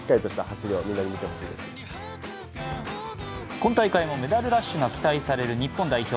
今大会もメダルラッシュが期待される日本代表。